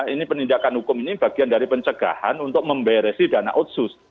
ini penindakan hukum ini bagian dari pencegahan untuk memberesi dana otsus